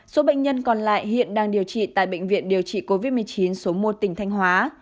số bệnh nhân còn lại hiện đang điều trị tại bệnh viện điều trị covid một mươi chín số một tỉnh thanh hóa